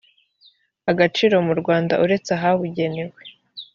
agaciro mu rwanda uretse ahabugenewe